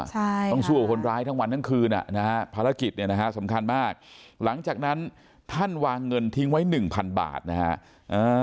ต้องช่วยคนร้ายทั้งวันทั้งคืนภารกิจสำคัญมากหลังจากนั้นท่านวางเงินทิ้งไว้๑๐๐๐บาทนะครับ